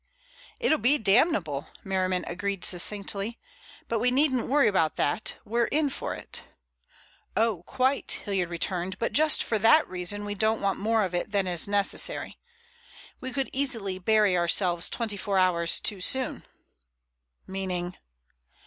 "It'll be damnable," Merriman agreed succinctly, "but we needn't worry about that; we're in for it." "Oh, quite," Hilliard returned. "But just for that reason we don't want more of it than is necessary. We could easily bury ourselves twenty four hours too soon." "Meaning?"